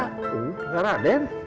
oh gak raden